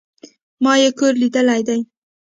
ما ئې کور ليدلى دئ